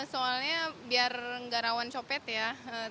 soalnya biar nggak rawan copet ya